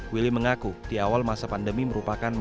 willy mengaku di awal masa pandemi merupakan